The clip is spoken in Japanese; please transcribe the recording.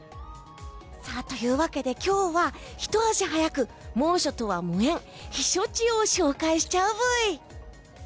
というわけで今日は、ひと足早く猛暑とは無縁避暑地を紹介しちゃうブイ！